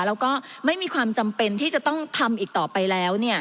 แล้วก็ไม่มีความจำเป็นที่จะต้องทำอีกต่อไปแล้ว